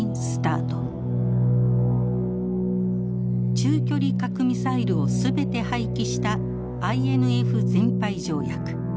中距離核ミサイルを全て廃棄したＩＮＦ全廃条約。